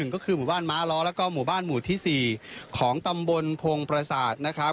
ก็คือหมู่บ้านม้าล้อแล้วก็หมู่บ้านหมู่ที่๔ของตำบลพงศ์ประสาทนะครับ